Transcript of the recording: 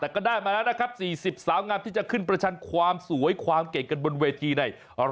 แต่ก็ได้มาแล้วนะครับ๔๐สาวงามที่จะขึ้นประชันความสวยความเก่งกันบนเวทีใน